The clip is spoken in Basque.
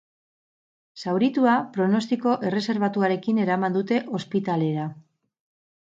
Zauritua pronostiko erreserbatuarekin eraman dute ospitalera.